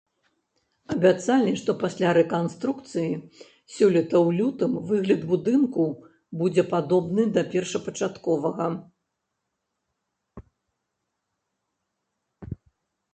Абяцалі, што пасля рэканструкцыі сёлета ў лютым выгляд будынку будзе падобны да першапачатковага.